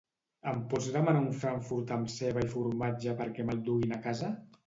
Em pots demanar un frànkfurt amb ceba i formatge perquè me'l duguin a casa?